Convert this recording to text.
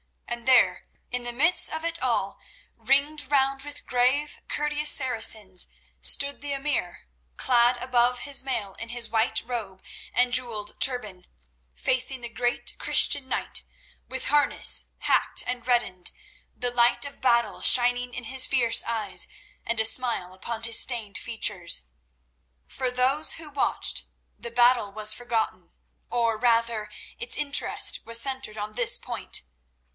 And there, in the midst of it all, ringed round with grave, courteous Saracens, stood the emir, clad above his mail in his white robe and jewelled turban, facing the great Christian knight, with harness hacked and reddened, the light of battle shining in his fierce eyes, and a smile upon his stained features. For those who watched the battle was forgotten—or, rather, its interest was centred on this point.